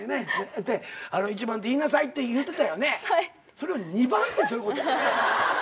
それを２番ってどういうこと？